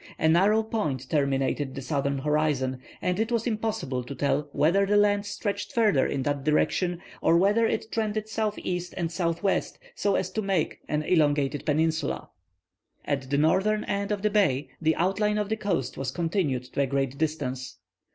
A narrow point terminated the southern horizon, and it was impossible to tell whether the land stretched further in that direction, or whether it trended southeast and southwest, so as to make an elongated peninsula. At the northern end of the bay, the outline of the coast was continued to a great distance.